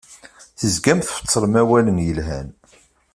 Tezgam tfettlem awalen yelhan.